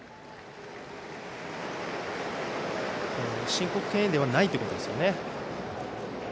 申告敬遠ではないということですね。